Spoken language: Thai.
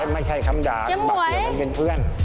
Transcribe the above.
ไม่ใช่คำด่าคำบักเดียวมันเป็นเพื่อน